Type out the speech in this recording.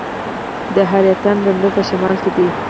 د حیرتان بندر په شمال کې دی